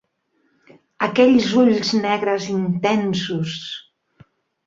Aquells ulls negres intensos!